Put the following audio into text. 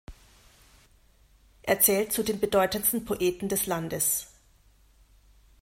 Er zählt zu den bedeutendsten Poeten des Landes.